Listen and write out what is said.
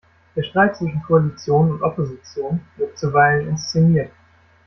Der Streit zwischen Koalition und Opposition wirkt zuweilen inszeniert.